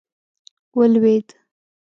ولوېد.